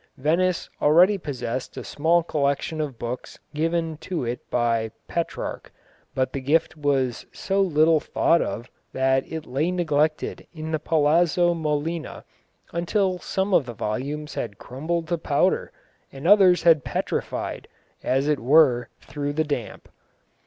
Venice already possessed a small collection of books given to it by Petrarch, but the gift was so little thought of that it lay neglected in the Palazzo Molina until some of the volumes had crumbled to powder, and others had petrified, as it were, through the damp.